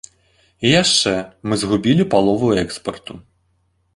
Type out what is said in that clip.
І яшчэ, мы згубілі палову экспарту.